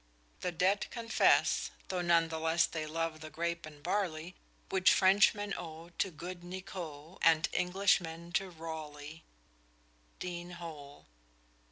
The debt confess, though none the less they love the grape and barley, Which Frenchmen owe to good Nicot, and Englishmen to Raleigh. DEAN HOLE.